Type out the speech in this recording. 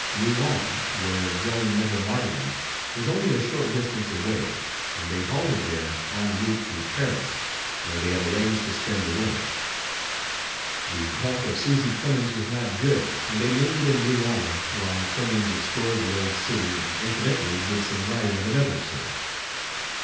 Rouen, where Joan met her martyrdom, was only a short distance away, and they halted there en route to Paris, where they had arranged to spend the winter. The health of Susy Clemens was not good, and they lingered in Rouen while Clemens explored the old city and incidentally did some writing of another sort.